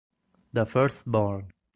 The First Born